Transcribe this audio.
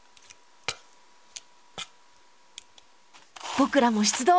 僕らも出動！